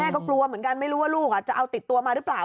ก็กลัวเหมือนกันไม่รู้ว่าลูกจะเอาติดตัวมาหรือเปล่า